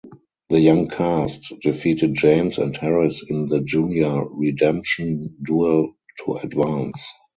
The Young Cast defeated James and Harris in the Junior Redemption Duel to advance.